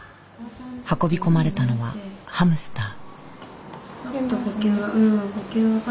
運び込まれたのはハムスター。